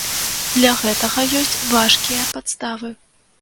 Для гэтага ёсць важкія падставы.